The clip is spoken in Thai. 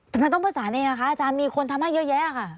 ทำไมต้องประสานเองอ่ะคะอาจารย์มีคนทำให้เยอะแยะค่ะ